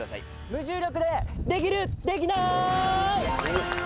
「無重力でできる？できない？」。